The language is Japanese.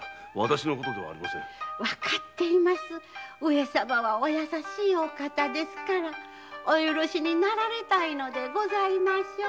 上様はお優しいお方ですからお許しになられたいのでございましょう？